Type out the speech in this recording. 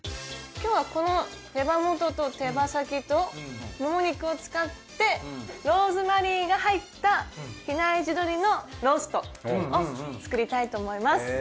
今日はこの手羽元と手羽先ともも肉を使ってローズマリーが入った比内地鶏のローストを作りたいと思います。